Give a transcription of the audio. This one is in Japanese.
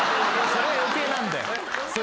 それが余計なんだよ。